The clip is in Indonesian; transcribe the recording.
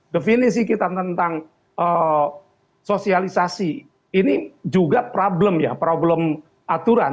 definisi kita tentang sosialisasi ini juga problem ya problem aturan